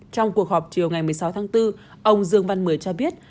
trong cuộc họp chiều ngày một mươi sáu tháng bốn ông dương văn mười cho biết